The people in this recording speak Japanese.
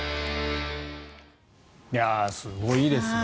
すごいですね。